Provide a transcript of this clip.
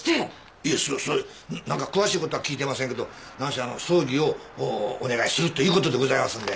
いえそっそれ何か詳しいことは聞いてませんけど何せあの葬儀をお願いするということでございますんで。